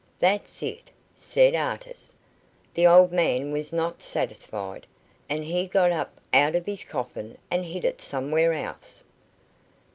"That's it," said Artis. "The old man was not satisfied, and he got up out of his coffin and hid it somewhere else."